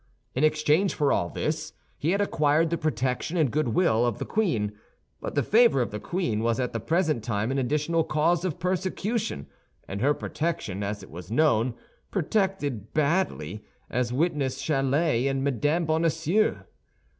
In exchange for all this, he had acquired the protection and good will of the queen; but the favor of the queen was at the present time an additional cause of persecution, and her protection, as it was known, protected badly—as witness Chalais and Mme. Bonacieux.